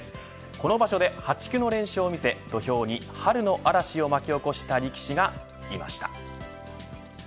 この場所で破竹の連勝を見せ土俵に春の嵐を巻き起こした力士がいました。